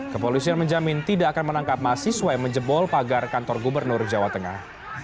kepolisian menjamin tidak akan menangkap mahasiswa yang menjebol pagar kantor gubernur jawa tengah